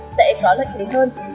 sẽ có lợi thế hơn